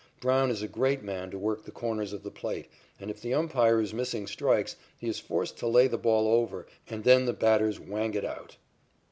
Brown is a great man to work the corners of the plate, and if the umpire is missing strikes, he is forced to lay the ball over and then the batters whang it out.